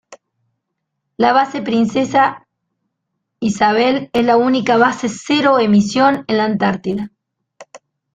La Base Princesa Isabel es la única base cero emisión en la Antártida.